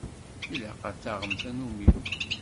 Ilaq ad taɣem tanumi.